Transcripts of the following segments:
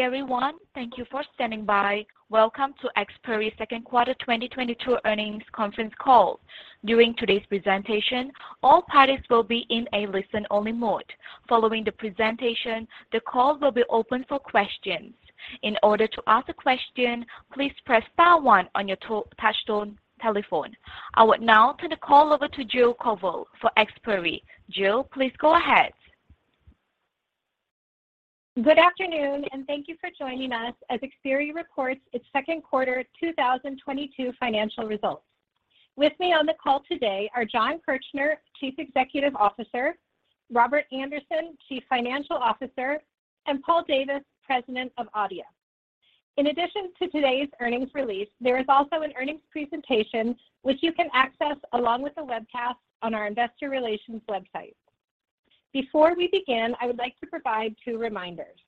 Everyone, thank you for standing by. Welcome to Xperi's second quarter 2022 earnings conference call. During today's presentation, all parties will be in a listen-only mode. Following the presentation, the call will be open for questions. In order to ask a question, please press star one on your touch-tone telephone. I will now turn the call over to Jill Koval for Xperi. Jill, please go ahead. Good afternoon, and thank you for joining us as Xperi reports its second quarter 2022 financial results. With me on the call today are Jon Kirchner, Chief Executive Officer, Robert Andersen, Chief Financial Officer, and Paul Davis, President of Adeia. In addition to today's earnings release, there is also an earnings presentation which you can access along with the webcast on our investor relations website. Before we begin, I would like to provide two reminders.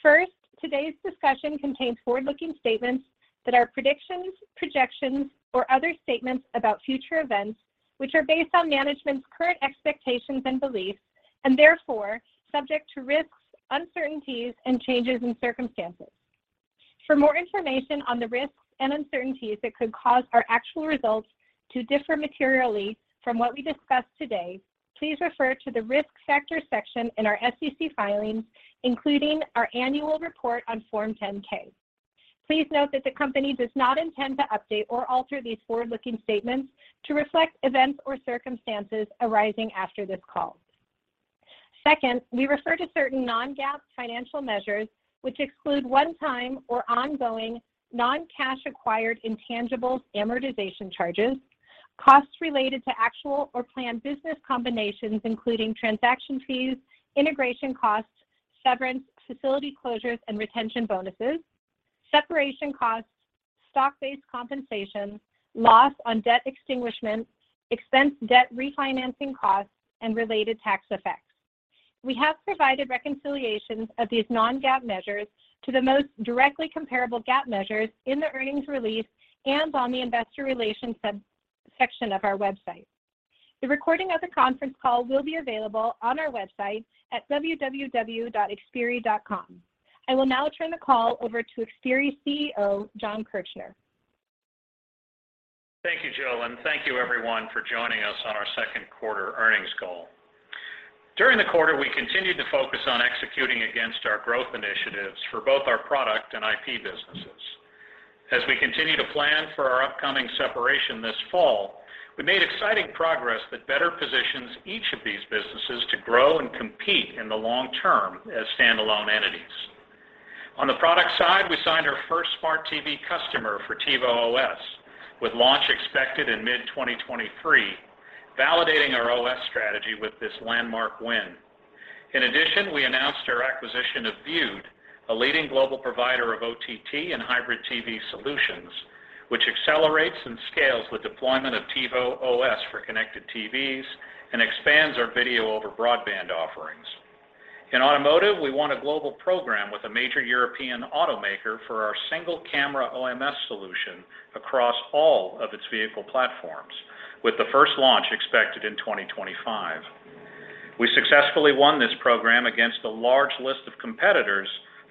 First, today's discussion contains forward-looking statements that are predictions, projections, or other statements about future events, which are based on management's current expectations and beliefs and therefore subject to risks, uncertainties, and changes in circumstances. For more information on the risks and uncertainties that could cause our actual results to differ materially from what we discuss today, please refer to the Risk Factors section in our SEC filings, including our annual report on Form 10-K. Please note that the company does not intend to update or alter these forward-looking statements to reflect events or circumstances arising after this call. Second, we refer to certain non-GAAP financial measures which exclude one-time or ongoing non-cash acquired intangible amortization charges, costs related to actual or planned business combinations including transaction fees, integration costs, severance, facility closures, and retention bonuses, separation costs, stock-based compensation, loss on debt extinguishment, and debt refinancing costs, and related tax effects. We have provided reconciliations of these non-GAAP measures to the most directly comparable GAAP measures in the earnings release and on the investor relations section of our website. The recording of the conference call will be available on our website at www.xperi.com. I will now turn the call over to Xperi's CEO, Jon Kirchner. Thank you, Jill, and thank you everyone for joining us on our second quarter earnings call. During the quarter, we continued to focus on executing against our growth initiatives for both our product and IP businesses. We continue to plan for our upcoming separation this fall. We made exciting progress that better positions each of these businesses to grow and compete in the long term as standalone entities. On the product side, we signed our first smart TV customer for TiVo OS with launch expected in mid-2023, validating our OS strategy with this landmark win. In addition, we announced our acquisition of Vewd, a leading global provider of OTT and hybrid TV solutions, which accelerates and scales the deployment of TiVo OS for connected TVs and expands our video over broadband offerings. In automotive, we won a global program with a major European automaker for our single-camera OMS solution across all of its vehicle platforms, with the first launch expected in 2025. We successfully won this program against a large list of competitors,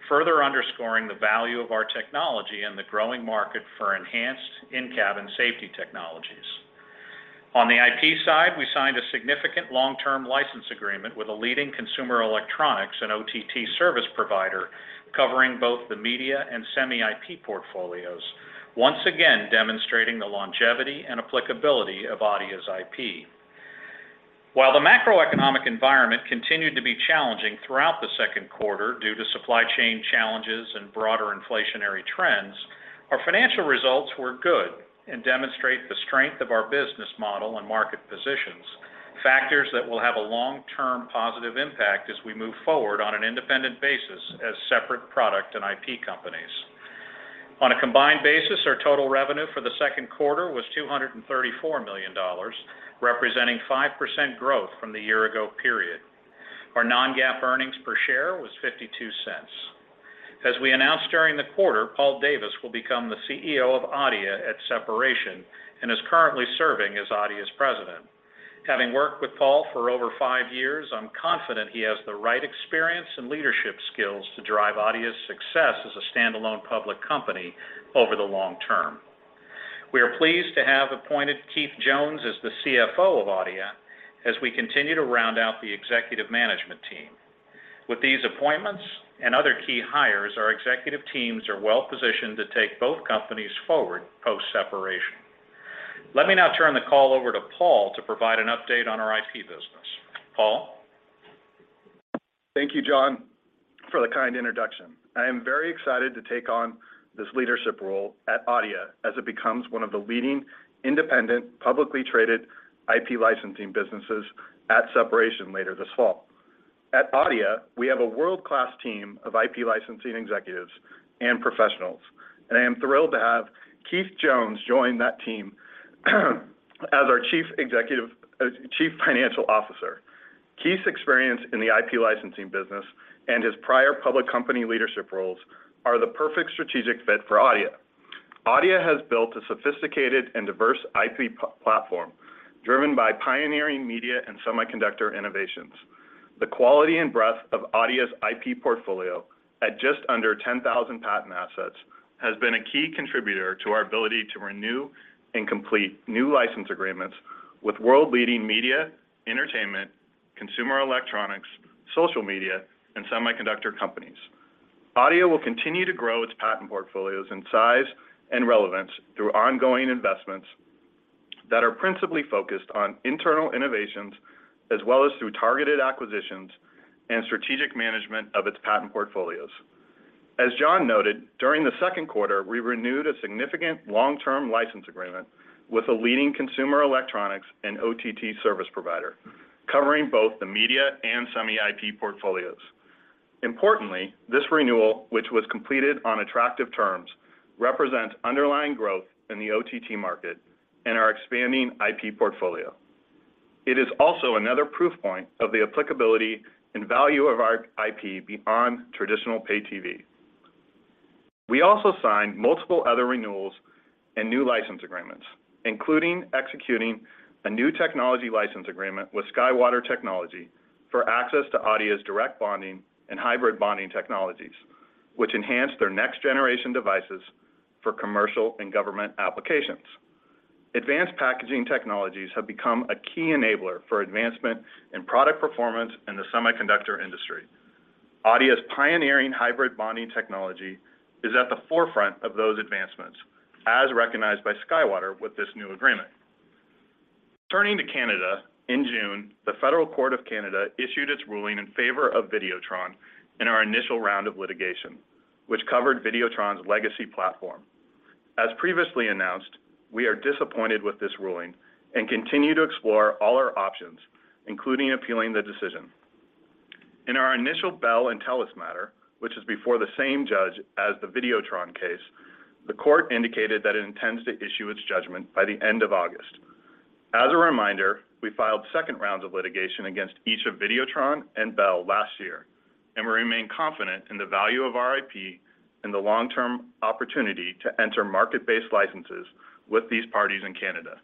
further underscoring the value of our technology and the growing market for enhanced in-cabin safety technologies. On the IP side, we signed a significant long-term license agreement with a leading consumer electronics and OTT service provider covering both the media and semi-IP portfolios, once again demonstrating the longevity and applicability of Adeia's IP. While the macroeconomic environment continued to be challenging throughout the second quarter due to supply chain challenges and broader inflationary trends, our financial results were good and demonstrate the strength of our business model and market positions, factors that will have a long-term positive impact as we move forward on an independent basis as separate product and IP companies. On a combined basis, our total revenue for the second quarter was $234 million, representing 5% growth from the year ago period. Our non-GAAP earnings per share was $0.52. As we announced during the quarter, Paul Davis will become the CEO of Adeia at separation and is currently serving as Adeia's President. Having worked with Paul for over five years, I'm confident he has the right experience and leadership skills to drive Adeia's success as a standalone public company over the long term. We are pleased to have appointed Keith Jones as the CFO of Adeia as we continue to round out the executive management team. With these appointments and other key hires, our executive teams are well-positioned to take both companies forward post-separation. Let me now turn the call over to Paul to provide an update on our IP business. Paul. Thank you, Jon, for the kind introduction. I am very excited to take on this leadership role at Adeia as it becomes one of the leading independent publicly traded IP licensing businesses at separation later this fall. At Adeia, we have a world-class team of IP licensing executives and professionals, and I am thrilled to have Keith Jones join that team as our Chief Financial Officer. Keith's experience in the IP licensing business and his prior public company leadership roles are the perfect strategic fit for Adeia. Adeia has built a sophisticated and diverse IP platform driven by pioneering media and semiconductor innovations. The quality and breadth of Adeia's IP portfolio at just under 10,000 patent assets has been a key contributor to our ability to renew and complete new license agreements with world-leading media, entertainment, consumer electronics, social media, and semiconductor companies. Adeia will continue to grow its patent portfolios in size and relevance through ongoing investments that are principally focused on internal innovations as well as through targeted acquisitions and strategic management of its patent portfolios. As Jon noted, during the second quarter, we renewed a significant long-term license agreement with a leading consumer electronics and OTT service provider covering both the media and semi IP portfolios. Importantly, this renewal, which was completed on attractive terms, represents underlying growth in the OTT market and our expanding IP portfolio. It is also another proof point of the applicability and value of our IP beyond traditional pay-TV. We also signed multiple other renewals and new license agreements, including executing a new technology license agreement with SkyWater Technology for access to Adeia's direct bonding and hybrid bonding technologies, which enhance their next-generation devices for commercial and government applications. Advanced packaging technologies have become a key enabler for advancement in product performance in the semiconductor industry. Adeia's pioneering hybrid bonding technology is at the forefront of those advancements, as recognized by SkyWater with this new agreement. Turning to Canada, in June, the Federal Court of Canada issued its ruling in favor of Videotron in our initial round of litigation, which covered Videotron's legacy platform. As previously announced, we are disappointed with this ruling and continue to explore all our options, including appealing the decision. In our initial Bell and Telus matter, which is before the same judge as the Videotron case, the court indicated that it intends to issue its judgment by the end of August. As a reminder, we filed second rounds of litigation against each of Videotron and Bell last year, and we remain confident in the value of our IP and the long-term opportunity to enter market-based licenses with these parties in Canada.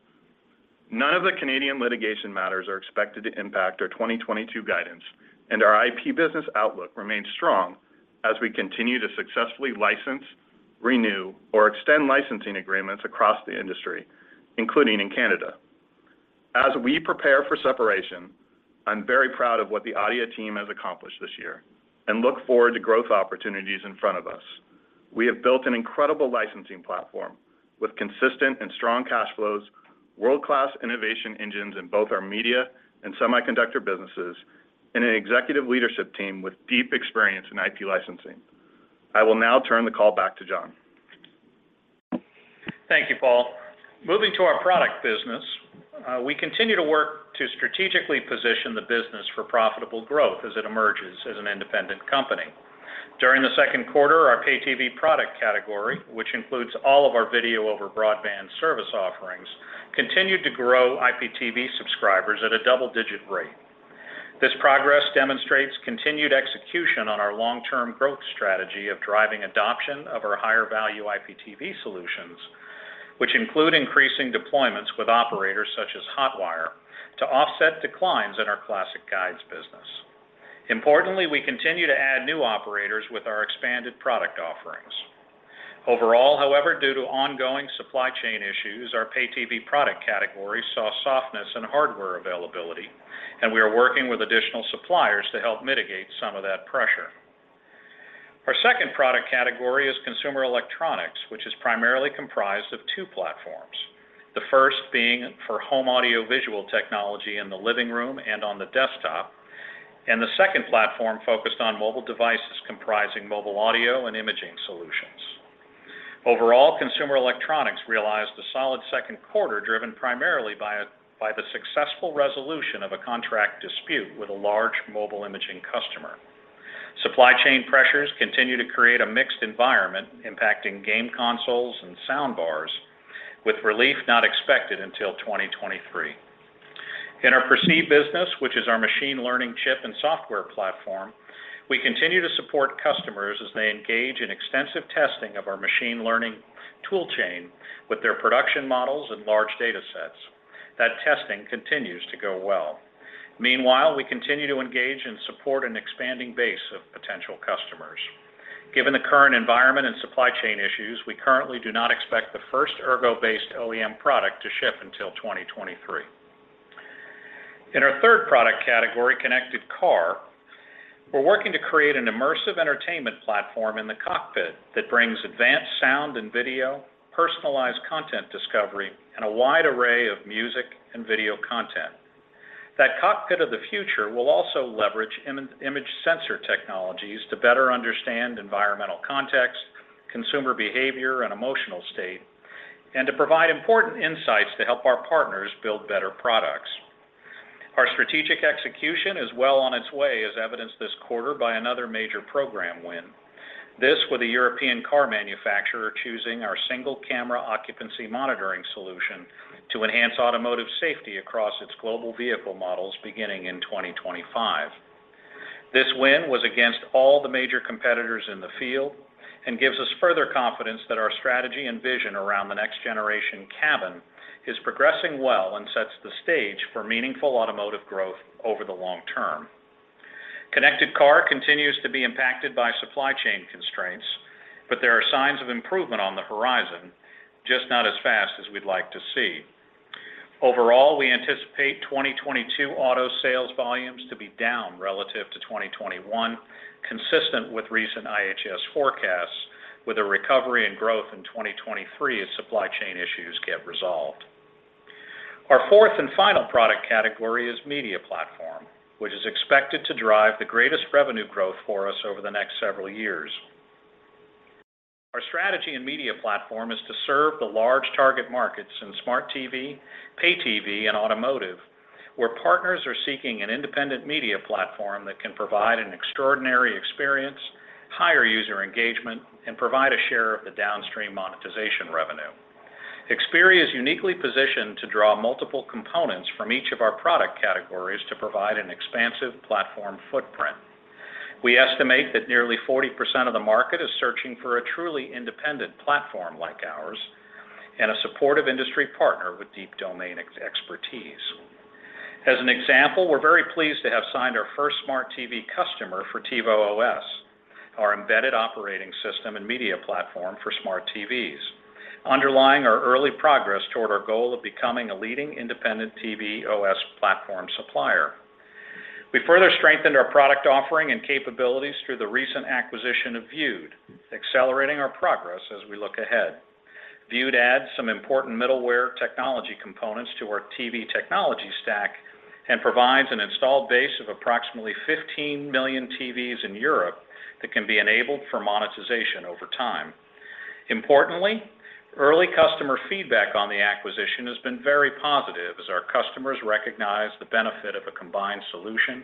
None of the Canadian litigation matters are expected to impact our 2022 guidance, and our IP business outlook remains strong as we continue to successfully license, renew, or extend licensing agreements across the industry, including in Canada. As we prepare for separation, I'm very proud of what the Adeia team has accomplished this year and look forward to growth opportunities in front of us. We have built an incredible licensing platform with consistent and strong cash flows, world-class innovation engines in both our media and semiconductor businesses, and an executive leadership team with deep experience in IP licensing. I will now turn the call back to Jon. Thank you, Paul. Moving to our product business, we continue to work to strategically position the business for profitable growth as it emerges as an independent company. During the second quarter, our pay-TV product category, which includes all of our video over broadband service offerings, continued to grow IPTV subscribers at a double-digit rate. This progress demonstrates continued execution on our long-term growth strategy of driving adoption of our higher-value IPTV solutions, which include increasing deployments with operators such as Hotwire to offset declines in our classic guides business. Importantly, we continue to add new operators with our expanded product offerings. Overall, however, due to ongoing supply chain issues, our pay-TV product category saw softness in hardware availability, and we are working with additional suppliers to help mitigate some of that pressure. Our second product category is consumer electronics, which is primarily comprised of two platforms. The first being for home audio visual technology in the living room and on the desktop, and the second platform focused on mobile devices comprising mobile audio and imaging solutions. Overall, consumer electronics realized a solid second quarter driven primarily by the successful resolution of a contract dispute with a large mobile imaging customer. Supply chain pressures continue to create a mixed environment impacting game consoles and sound bars with relief not expected until 2023. In our Perceive business, which is our machine learning chip and software platform, we continue to support customers as they engage in extensive testing of our machine learning tool chain with their production models and large data sets. That testing continues to go well. Meanwhile, we continue to engage and support an expanding base of potential customers. Given the current environment and supply chain issues, we currently do not expect the first Ergo-based OEM product to ship until 2023. In our third product category, connected car, we're working to create an immersive entertainment platform in the cockpit that brings advanced sound and video, personalized content discovery, and a wide array of music and video content. That cockpit of the future will also leverage image sensor technologies to better understand environmental context, consumer behavior, and emotional state, and to provide important insights to help our partners build better products. Our strategic execution is well on its way as evidenced this quarter by another major program win. This with a European car manufacturer choosing our single-camera occupant monitoring solution to enhance automotive safety across its global vehicle models beginning in 2025. This win was against all the major competitors in the field and gives us further confidence that our strategy and vision around the next generation cabin is progressing well and sets the stage for meaningful automotive growth over the long term. Connected car continues to be impacted by supply chain constraints, but there are signs of improvement on the horizon, just not as fast as we'd like to see. Overall, we anticipate 2022 auto sales volumes to be down relative to 2021, consistent with recent IHS forecasts, with a recovery in growth in 2023 as supply chain issues get resolved. Our fourth and final product category is media platform, which is expected to drive the greatest revenue growth for us over the next several years. Our strategy in media platform is to serve the large target markets in smart TV, pay-TV, and automotive, where partners are seeking an independent media platform that can provide an extraordinary experience, higher user engagement, and provide a share of the downstream monetization revenue. Xperi is uniquely positioned to draw multiple components from each of our product categories to provide an expansive platform footprint. We estimate that nearly 40% of the market is searching for a truly independent platform like ours and a supportive industry partner with deep domain expertise. As an example, we're very pleased to have signed our first smart TV customer for TiVo OS, our embedded operating system and media platform for smart TVs, underlying our early progress toward our goal of becoming a leading independent TV OS platform supplier. We further strengthened our product offering and capabilities through the recent acquisition of Vewd, accelerating our progress as we look ahead. Vewd adds some important middleware technology components to our TV technology stack and provides an installed base of approximately 15 million TVs in Europe that can be enabled for monetization over time. Importantly, early customer feedback on the acquisition has been very positive as our customers recognize the benefit of a combined solution,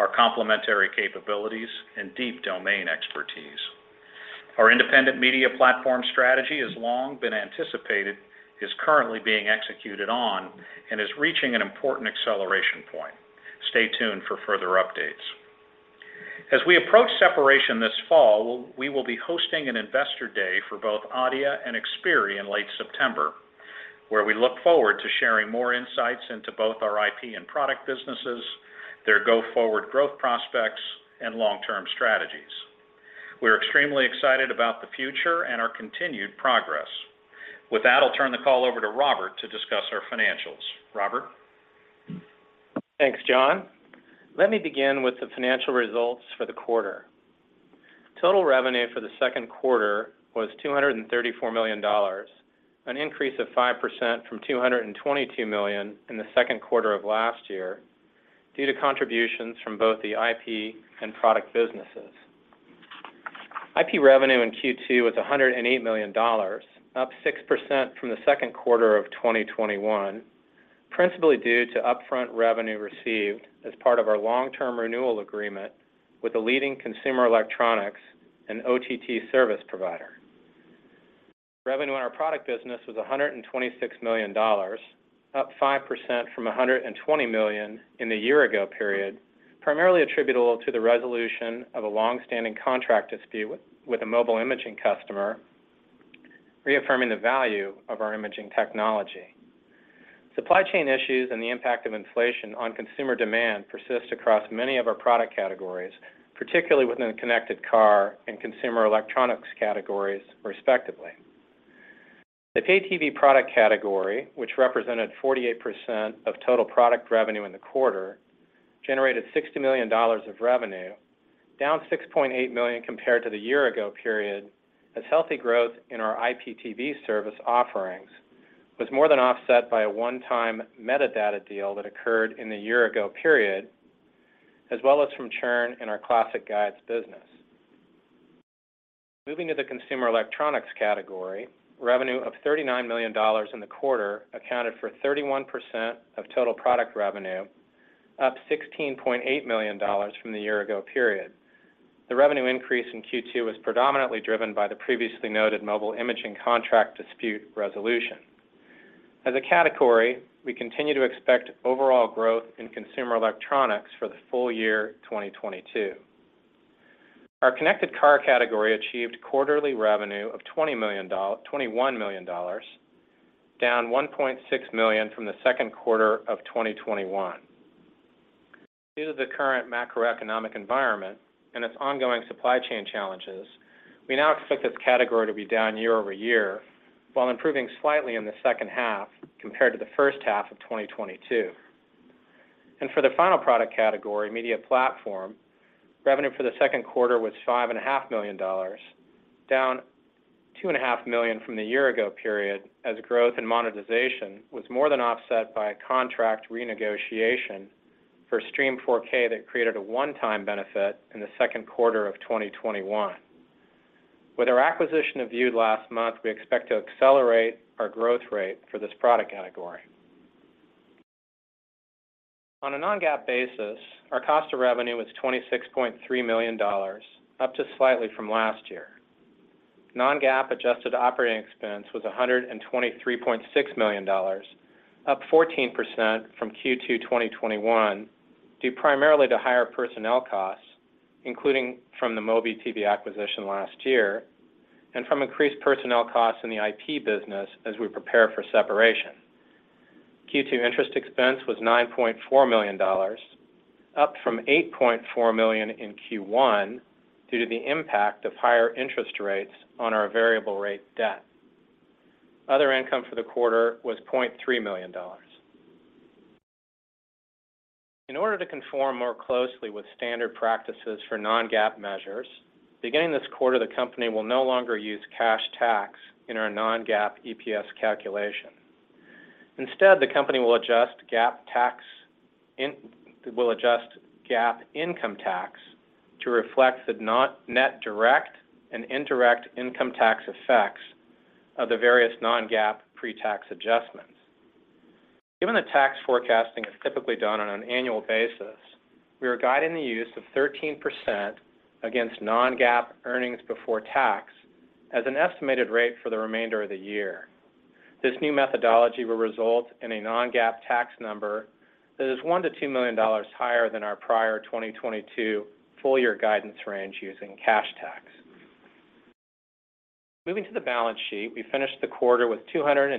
our complementary capabilities, and deep domain expertise. Our independent media platform strategy has long been anticipated, is currently being executed on, and is reaching an important acceleration point. Stay tuned for further updates. As we approach separation this fall, we will be hosting an investor day for both Adeia and Xperi in late September, where we look forward to sharing more insights into both our IP and product businesses, their go-forward growth prospects, and long-term strategies. We're extremely excited about the future and our continued progress. With that, I'll turn the call over to Robert to discuss our financials. Robert? Thanks, Jon Kirchner. Let me begin with the financial results for the quarter. Total revenue for the second quarter was $234 million, an increase of 5% from $222 million in the second quarter of last year, due to contributions from both the IP and product businesses. IP revenue in Q2 was $108 million, up 6% from the second quarter of 2021, principally due to upfront revenue received as part of our long-term renewal agreement with a leading consumer electronics and OTT service provider. Revenue in our product business was $126 million, up 5% from $120 million in the year ago period, primarily attributable to the resolution of a long-standing contract dispute with a mobile imaging customer, reaffirming the value of our imaging technology. Supply chain issues and the impact of inflation on consumer demand persist across many of our product categories, particularly within the connected car and consumer electronics categories, respectively. The pay-TV product category, which represented 48% of total product revenue in the quarter, generated $60 million of revenue, down $6.8 million compared to the year ago period, as healthy growth in our IPTV service offerings was more than offset by a one-time metadata deal that occurred in the year ago period, as well as from churn in our classic guides business. Moving to the consumer electronics category, revenue of $39 million in the quarter accounted for 31% of total product revenue, up $16.8 million from the year ago period. The revenue increase in Q2 was predominantly driven by the previously noted mobile imaging contract dispute resolution. As a category, we continue to expect overall growth in consumer electronics for the full year 2022. Our connected car category achieved quarterly revenue of $21 million, down $1.6 million from the second quarter of 2021. Due to the current macroeconomic environment and its ongoing supply chain challenges, we now expect this category to be down year-over-year while improving slightly in the second half compared to the first half of 2022. For the final product category, media platform, revenue for the second quarter was $5.5 million, down $2.5 million from the year ago period, as growth in monetization was more than offset by a contract renegotiation for Stream 4K that created a one-time benefit in the second quarter of 2021. With our acquisition of Vewd last month, we expect to accelerate our growth rate for this product category. On a non-GAAP basis, our cost of revenue was $26.3 million, up slightly from last year. Non-GAAP adjusted operating expense was $123.6 million, up 14% from Q2 2021, due primarily to higher personnel costs, including from the MobiTV acquisition last year and from increased personnel costs in the IP business as we prepare for separation. Q2 interest expense was $9.4 million, up from $8.4 million in Q1 due to the impact of higher interest rates on our variable rate debt. Other income for the quarter was $0.3 million. In order to conform more closely with standard practices for non-GAAP measures, beginning this quarter, the company will no longer use cash tax in our non-GAAP EPS calculation. Instead, the company will adjust GAAP income tax to reflect the net direct and indirect income tax effects of the various non-GAAP pre-tax adjustments. Given that tax forecasting is typically done on an annual basis, we are guiding the use of 13% against non-GAAP earnings before tax as an estimated rate for the remainder of the year. This new methodology will result in a non-GAAP tax number that is $1 million-$2 million higher than our prior 2022 full-year guidance range using cash tax. Moving to the balance sheet, we finished the quarter with $286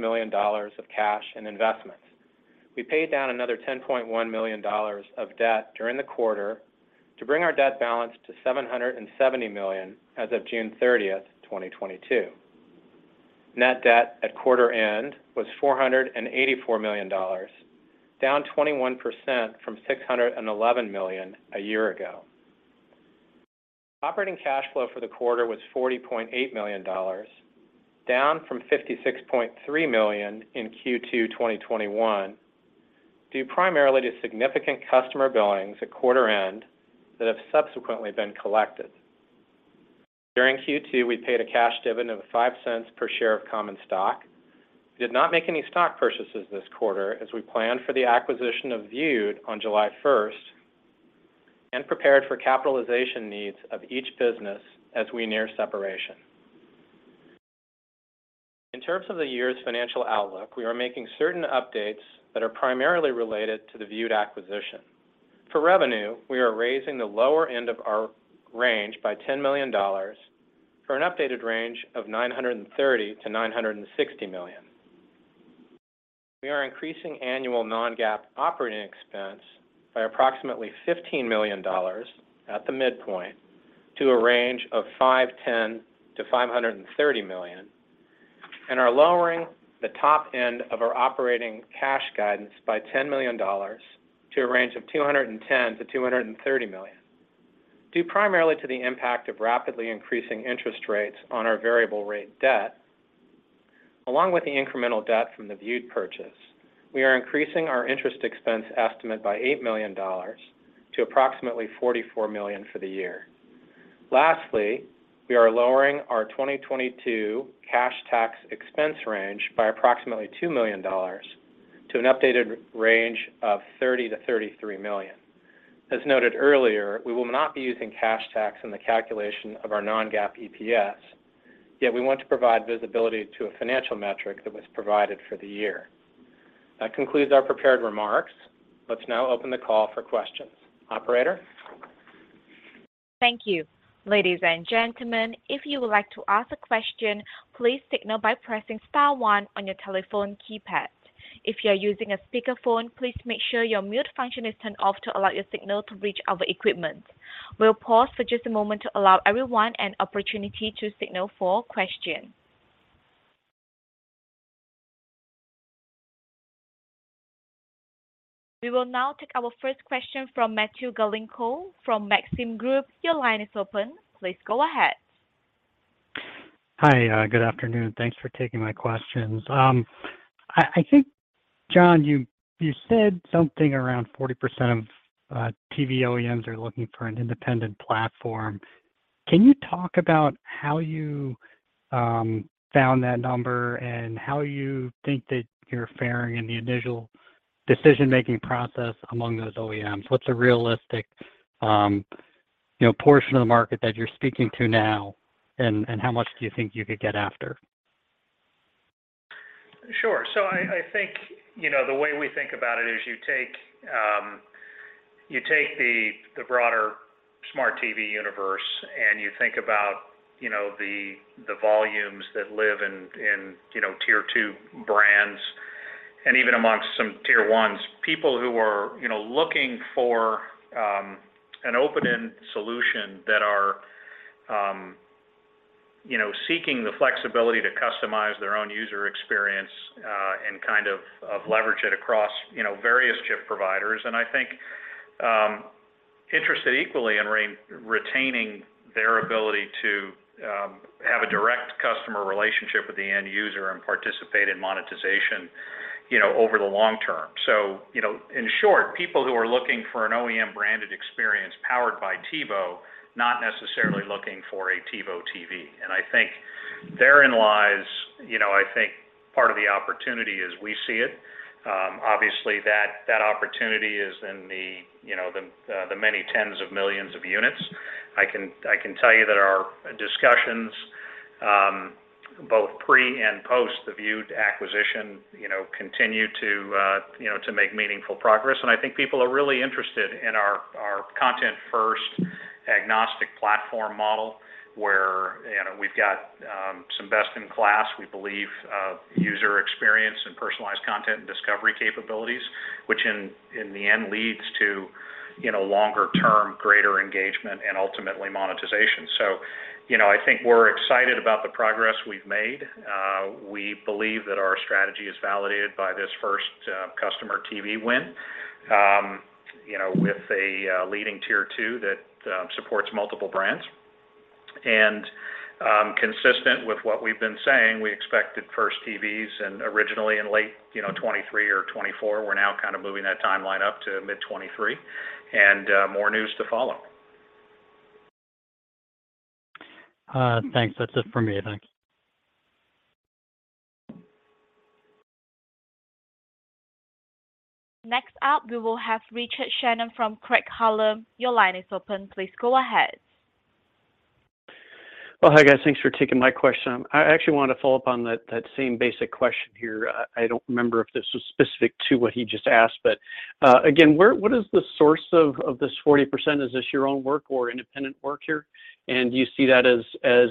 million of cash and investments. We paid down another $10.1 million of debt during the quarter to bring our debt balance to $770 million as of June 30, 2022. Net debt at quarter end was $484 million, down 21% from $611 million a year ago. Operating cash flow for the quarter was $40.8 million, down from $56.3 million in Q2 2021, due primarily to significant customer billings at quarter end that have subsequently been collected. During Q2, we paid a cash dividend of $0.05 per share of common stock. We did not make any stock purchases this quarter as we plan for the acquisition of Vewd on July 1 and prepared for capitalization needs of each business as we near separation. In terms of the year's financial outlook, we are making certain updates that are primarily related to the Vewd acquisition. For revenue, we are raising the lower end of our range by $10 million for an updated range of $930 million-$960 million. We are increasing annual non-GAAP operating expense by approximately $15 million at the midpoint to a range of $510 million-$530 million, and are lowering the top end of our operating cash guidance by $10 million to a range of $210 million-$230 million. Due primarily to the impact of rapidly increasing interest rates on our variable rate debt, along with the incremental debt from the Vewd purchase, we are increasing our interest expense estimate by $8 million to approximately $44 million for the year. Lastly, we are lowering our 2022 cash tax expense range by approximately $2 million to an updated range of $30 million-$33 million. As noted earlier, we will not be using cash tax in the calculation of our non-GAAP EPS, yet we want to provide visibility to a financial metric that was provided for the year. That concludes our prepared remarks. Let's now open the call for questions. Operator? Thank you. Ladies and gentlemen, if you would like to ask a question, please signal by pressing star one on your telephone keypad. If you are using a speakerphone, please make sure your mute function is turned off to allow your signal to reach our equipment. We'll pause for just a moment to allow everyone an opportunity to signal for question. We will now take our first question from Matthew Galinko from Maxim Group. Your line is open. Please go ahead. Hi, good afternoon. Thanks for taking my questions. I think, Jon, you said something around 40% of TV OEMs are looking for an independent platform. Can you talk about how you found that number and how you think that you're faring in the initial decision-making process among those OEMs? What's a realistic, you know, portion of the market that you're speaking to now, and how much do you think you could get after? Sure. I think, you know, the way we think about it is you take the broader smart TV universe, and you think about, you know, the volumes that live in, you know, tier-two brands and even amongst some tier ones. People who are, you know, looking for an open-ended solution that are, you know, seeking the flexibility to customize their own user experience, and kind of leverage it across, you know, various chip providers. I think interested equally in retaining their ability to have a direct customer relationship with the end user and participate in monetization, you know, over the long term. You know, in short, people who are looking for an OEM-branded experience powered by TiVo, not necessarily looking for a TiVo TV. I think Therein lies, you know, I think part of the opportunity as we see it. Obviously that opportunity is in the, you know, the many tens of millions of units. I can tell you that our discussions, both pre and post the Vewd acquisition, you know, continue to, you know, to make meaningful progress. I think people are really interested in our content-first agnostic platform model, where, you know, we've got, some best in class, we believe, user experience and personalized content and discovery capabilities, which in the end leads to, you know, longer term greater engagement and ultimately monetization. You know, I think we're excited about the progress we've made. We believe that our strategy is validated by this first customer TV win, you know, with a leading tier-two that supports multiple brands. Consistent with what we've been saying, we expected first TVs and originally in late, you know, 2023 or 2024. We're now kind of moving that timeline up to mid-2023. More news to follow. Thanks. That's it for me. Thanks. Next up, we will have Richard Shannon from Craig-Hallum Capital Group. Your line is open. Please go ahead. Well, hi guys. Thanks for taking my question. I actually want to follow up on that same basic question here. I don't remember if this was specific to what he just asked, but again, what is the source of this 40%? Is this your own work or independent work here? Do you see that as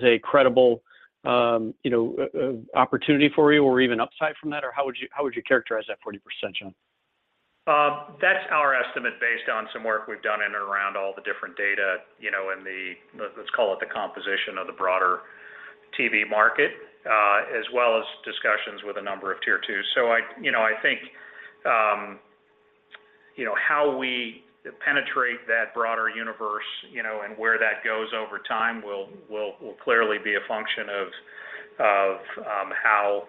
a credible, you know, opportunity for you or even upside from that? Or how would you characterize that 40%, Jon? That's our estimate based on some work we've done in and around all the different data, you know, in the, let's call it the composition of the broader TV market, as well as discussions with a number of tier-twos. I, you know, I think, you know, how we penetrate that broader universe, you know, and where that goes over time will clearly be a function of how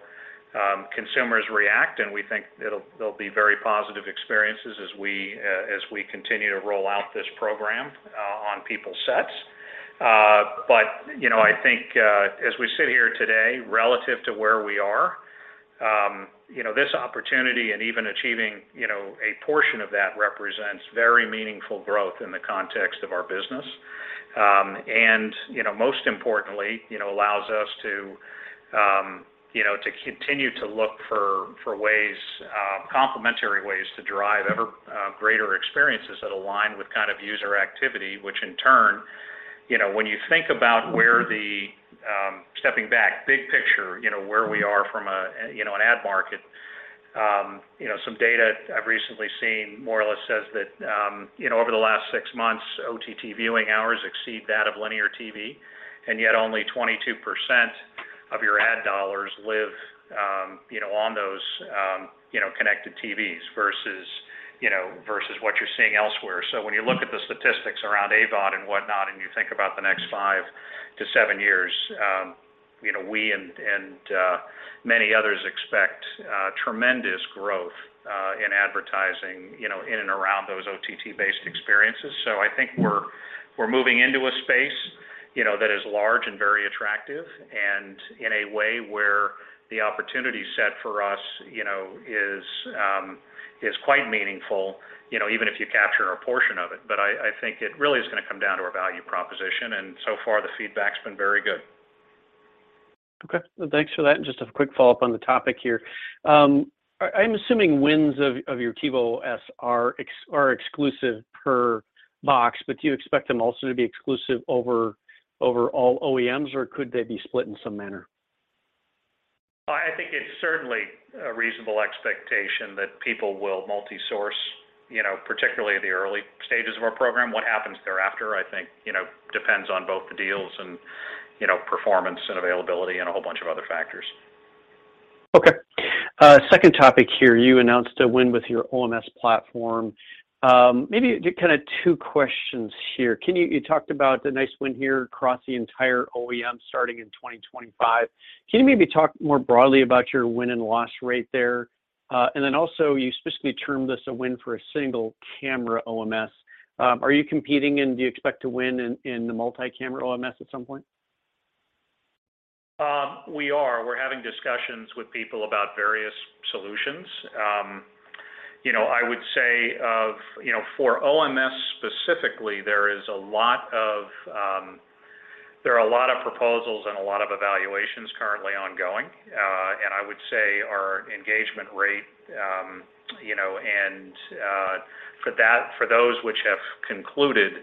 consumers react. We think they'll be very positive experiences as we continue to roll out this program on people's sets. You know, I think, as we sit here today, relative to where we are, you know, this opportunity and even achieving, you know, a portion of that represents very meaningful growth in the context of our business. You know, most importantly, you know, allows us to, you know, to continue to look for complementary ways to drive ever greater experiences that align with kind of user activity, which in turn, you know, when you think about where the stepping back, big picture, you know, where we are from a, you know, an ad market, you know, some data I've recently seen more or less says that, you know, over the last six months, OTT viewing hours exceed that of linear TV, and yet only 22% of your ad dollars live on those, you know, connected TVs versus what you're seeing elsewhere. When you look at the statistics around AVOD and whatnot and you think about the next five to seven years, you know, we and many others expect tremendous growth in advertising, you know, in and around those OTT-based experiences. I think we're moving into a space, you know, that is large and very attractive and in a way where the opportunity set for us, you know, is quite meaningful, you know, even if you capture a portion of it. I think it really is gonna come down to our value proposition, and so far the feedback's been very good. Okay. Thanks for that. Just a quick follow-up on the topic here. I'm assuming wins of your TiVo OS are exclusive per box, but do you expect them also to be exclusive over all OEMs or could they be split in some manner? I think it's certainly a reasonable expectation that people will multi-source, you know, particularly at the early stages of our program. What happens thereafter, I think, you know, depends on both the deals and, you know, performance and availability and a whole bunch of other factors. Okay. Second topic here, you announced a win with your OMS platform. Maybe kinda two questions here. You talked about a nice win here across the entire OEM starting in 2025. Can you maybe talk more broadly about your win and loss rate there? And then also you specifically termed this a win for a single-camera OMS. Are you competing and do you expect to win in the multi-camera OMS at some point? We're having discussions with people about various solutions. You know, I would say for OMS specifically, there are a lot of proposals and a lot of evaluations currently ongoing. I would say our engagement rate, you know, for those which have concluded,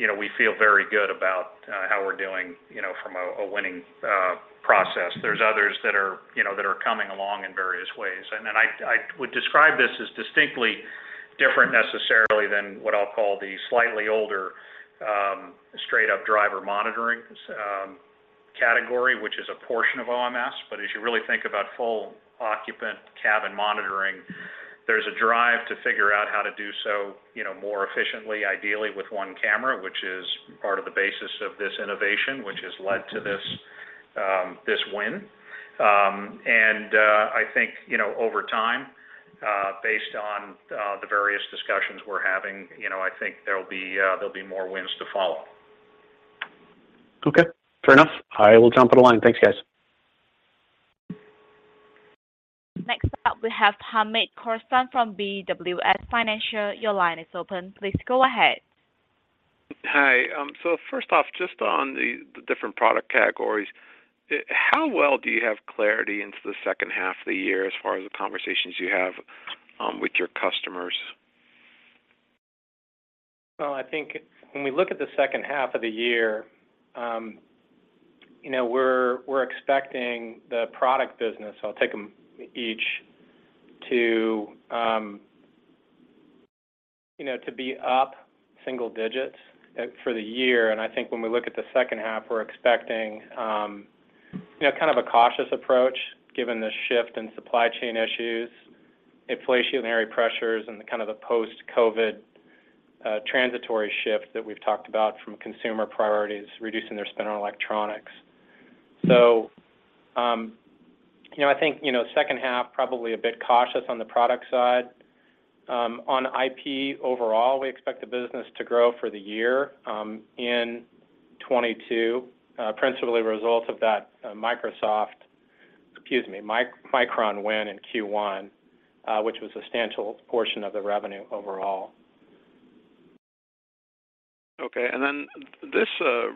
you know, we feel very good about how we're doing, you know, from a winning process. There are others that are coming along in various ways. I would describe this as distinctly different necessarily than what I'll call the slightly older straight up driver monitoring category, which is a portion of OMS. As you really think about full occupant cabin monitoring, there's a drive to figure out how to do so, you know, more efficiently, ideally with one camera, which is part of the basis of this innovation, which has led to this win. I think, you know, over time, based on the various discussions we're having, you know, I think there'll be more wins to follow. Okay. Fair enough. I will jump on the line. Thanks, guys. Next up we have Hamed Khorsand from BWS Financial. Your line is open. Please go ahead. Hi, first off, just on the different product categories, how well do you have clarity into the second half of the year as far as the conversations you have with your customers? Well, I think when we look at the second half of the year, you know, we're expecting the product business, I'll take them each, to, you know, to be up single digits, for the year. I think when we look at the second half, we're expecting, you know, kind of a cautious approach given the shift in supply chain issues, inflationary pressures, and the kind of post-COVID transitory shift that we've talked about from consumer priorities reducing their spend on electronics. You know, I think, you know, second half probably a bit cautious on the product side. On IP overall, we expect the business to grow for the year, in 2022, principally a result of that, Micron win in Q1, which was a substantial portion of the revenue overall. Okay. Then this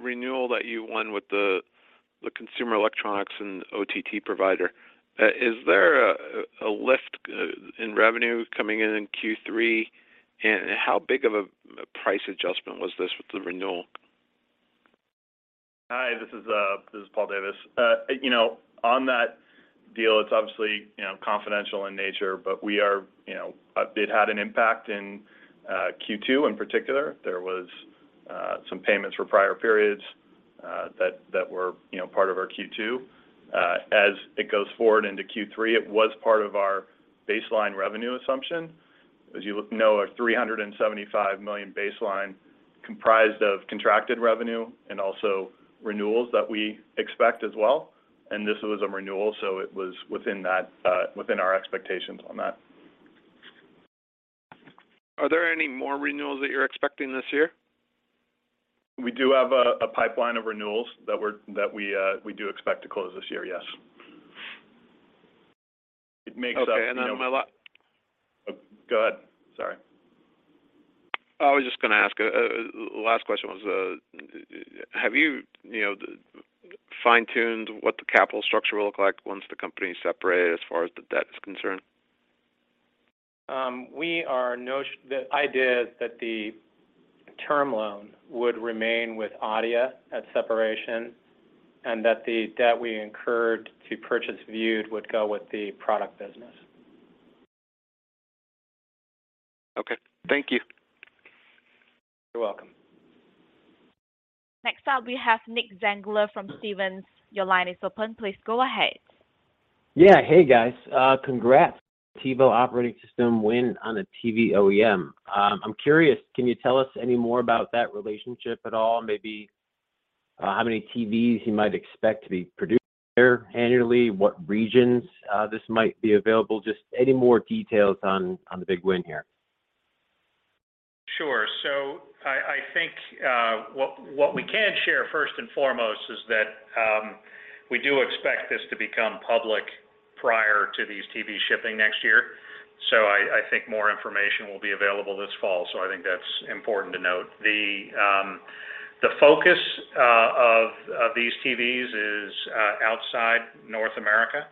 renewal that you won with the consumer electronics and OTT provider, is there a lift in revenue coming in Q3? How big of a price adjustment was this with the renewal? Hi, this is Paul Davis. You know, on that deal, it's obviously confidential in nature, but it had an impact in Q2 in particular. There was some payments for prior periods that were part of our Q2. As it goes forward into Q3, it was part of our baseline revenue assumption. As you know, our $375 million baseline comprised of contracted revenue and also renewals that we expect as well, and this was a renewal, so it was within that within our expectations on that. Are there any more renewals that you're expecting this year? We do have a pipeline of renewals that we do expect to close this year, yes. It makes up, you know. Okay. Go ahead. Sorry. I was just gonna ask, last question was, have you know, fine-tuned what the capital structure will look like once the company is separated as far as the debt is concerned? The idea is that the term loan would remain with Adeia at separation, and that the debt we incurred to purchase Vewd would go with the product business. Okay. Thank you. You're welcome. Next up, we have Nicholas Zangler from Stephens. Your line is open. Please go ahead. Yeah. Hey, guys. Congrats TiVo operating system win on the TV OEM. I'm curious, can you tell us any more about that relationship at all? Maybe how many TVs you might expect to be produced there annually? What regions this might be available? Just any more details on the big win here. Sure. I think what we can share first and foremost is that we do expect this to become public prior to these TVs shipping next year. I think more information will be available this fall, so I think that's important to note. The focus of these TVs is outside North America.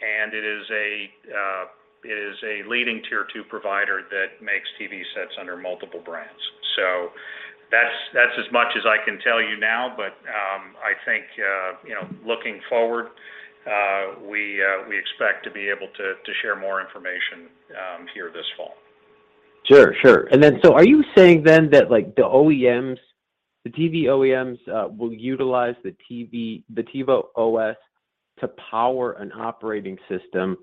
It is a leading tier two provider that makes TV sets under multiple brands. That's as much as I can tell you now. I think you know looking forward we expect to be able to share more information here this fall. Sure, sure. Are you saying then that, like, the OEMs, the TV OEMs, will utilize the TiVo OS to power an operating system,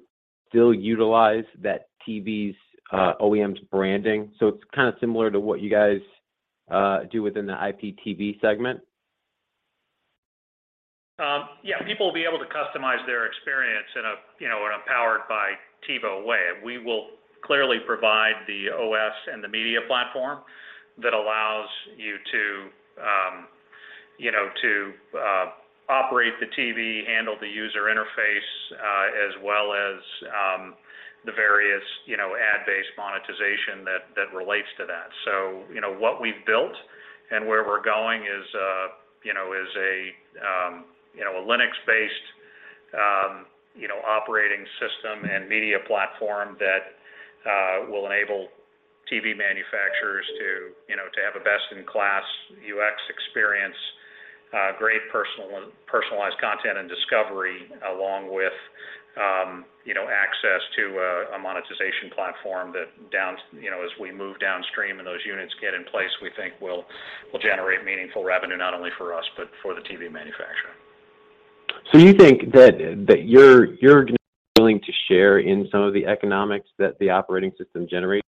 still utilize that TV's OEM's branding? It's kind of similar to what you guys do within the IPTV segment? Yeah. People will be able to customize their experience in a, you know, in a powered by TiVo way. We will clearly provide the OS and the media platform that allows you to, you know, to operate the TV, handle the user interface, as well as the various, you know, ad-based monetization that relates to that. You know, what we've built and where we're going is a Linux-based operating system and media platform that will enable TV manufacturers to have a best-in-class UX experience, great personalized content and discovery, along with access to a monetization platform that, as we move downstream and those units get in place, we think will generate meaningful revenue, not only for us, but for the TV manufacturer. You think that you're going to be willing to share in some of the economics that the operating system generates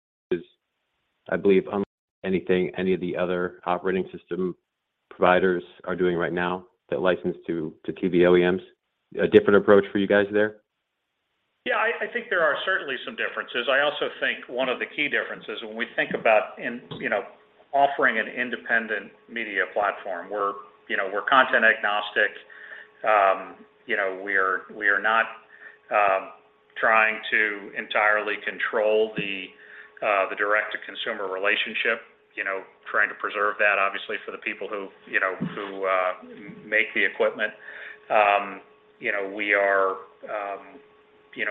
I believe unlike anything any of the other operating system providers are doing right now that license to TV OEMs. A different approach for you guys there? Yeah. I think there are certainly some differences. I also think one of the key differences when we think about, you know, offering an independent media platform, we're, you know, content agnostic. You know, we're not trying to entirely control the direct to consumer relationship, you know, trying to preserve that obviously for the people who, you know, make the equipment. You know, we are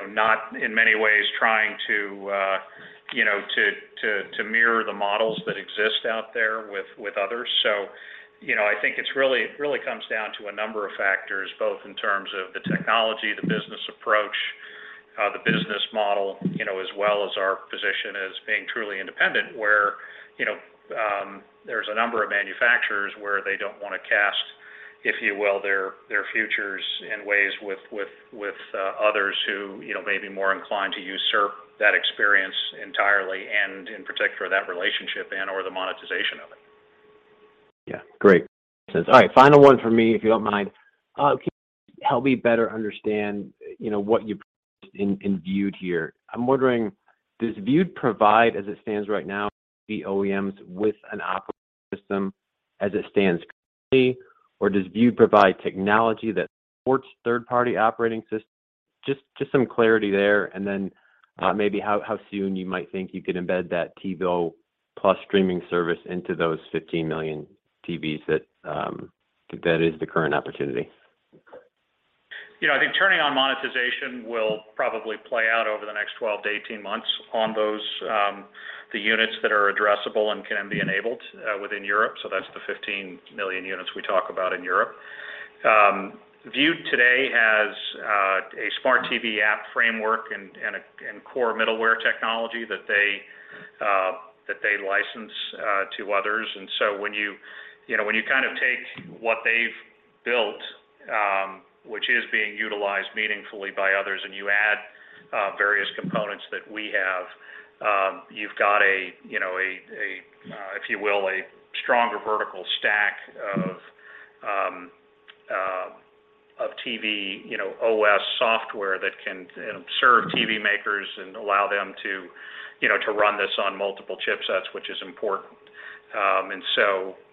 not in many ways trying to, you know, to mirror the models that exist out there with others. You know, I think it's really comes down to a number of factors, both in terms of the technology, the business approach, the business model, you know, as well as our position as being truly independent where, you know, there's a number of manufacturers where they don't wanna cast, if you will, their futures in ways with others who, you know, may be more inclined to use or that experience entirely and in particular that relationship and or the monetization of it. Great. All right. Final one for me, if you don't mind. Can you help me better understand, you know, what you intend here. I'm wondering does Vewd provide as it stands right now OEMs with an operating system as it stands currently, or does Vewd provide technology that supports third-party operating system? Just some clarity there and then, maybe how soon you might think you could embed that TiVo plus streaming service into those 15 million TVs that is the current opportunity. You know, I think turning on monetization will probably play out over the next 12-18 months on those, the units that are addressable and can be enabled, within Europe. That's the 15 million units we talk about in Europe. Vewd today has a smart TV app framework and a core middleware technology that they license to others. When you kind of take what they've built, which is being utilized meaningfully by others and you add various components that we have, you've got a stronger vertical stack of TV OS software that can serve TV makers and allow them to run this on multiple chipsets, which is important.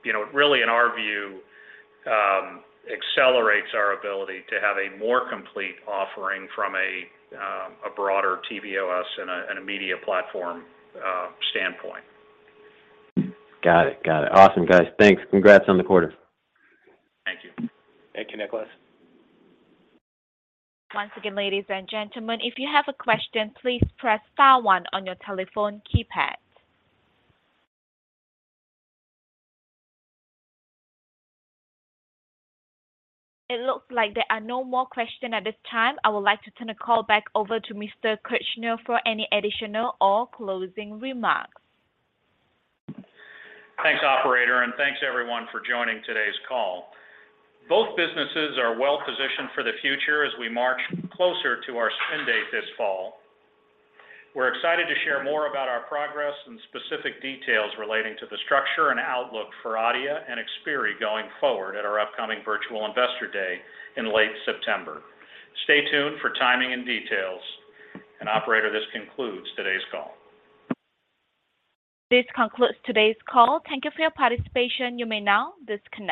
You know, really in our view, accelerates our ability to have a more complete offering from a broader TiVo OS and a media platform standpoint. Got it. Got it. Awesome, guys. Thanks. Congrats on the quarter. Thank you. Thank you, Nicholas. Once again, ladies and gentlemen, if you have a question, please press star one on your telephone keypad. It looks like there are no more questions at this time. I would like to turn the call back over to Mr. Kirchner for any additional or closing remarks. Thanks, operator, and thanks everyone for joining today's call. Both businesses are well positioned for the future as we march closer to our spin date this fall. We're excited to share more about our progress and specific details relating to the structure and outlook for Adeia and Xperi going forward at our upcoming virtual investor day in late September. Stay tuned for timing and details. Operator, this concludes today's call. This concludes today's call. Thank you for your participation. You may now disconnect.